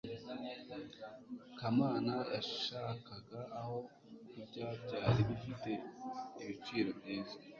kamana yashakaga aho kurya byari bifite ibiciro byiza